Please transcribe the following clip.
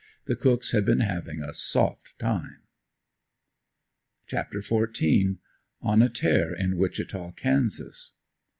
The cooks had been having a soft time. CHAPTER XIV. ON A TARE IN WICHITA, KANSAS.